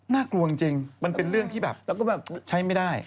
น่ากลัวจริงมันเป็นเรื่องที่ใช้ไม่ได้